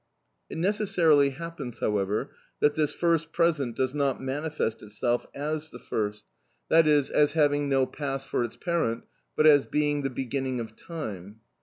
It necessarily happens, however, that this first present does not manifest itself as the first, that is, as having no past for its parent, but as being the beginning of time.